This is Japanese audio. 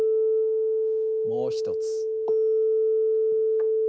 もう一つ。